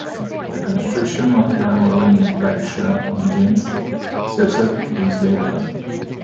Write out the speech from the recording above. A construction worker wearing a black shirt and jeans, sets up his ladder.